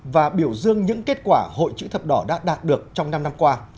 và biểu dương những kết quả hội chữ thập đỏ đã đạt được trong năm năm qua